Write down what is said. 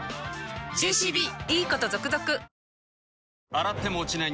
洗っても落ちない